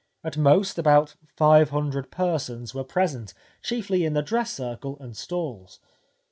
At most, about 500 persons were present, chiefly in the dress circle and stalls.